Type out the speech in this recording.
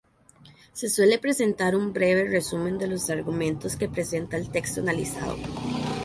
Se suele presentar un breve resumen de los argumentos que presenta el texto analizado.